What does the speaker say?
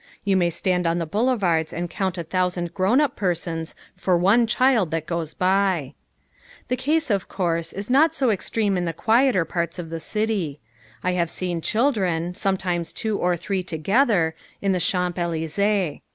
You may stand on the boulevards and count a thousand grown up persons for one child that goes by. The case, of course, is not so extreme in the quieter parts of the city. I have seen children, sometimes two or three together, in the Champs Elysées.